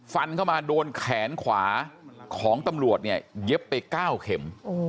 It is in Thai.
ฟันเข้ามาโดนแขนขวาของตำรวจเนี่ยเย็บไป๙เข็ม